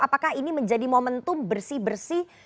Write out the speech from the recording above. apakah ini menjadi momentum bersih bersih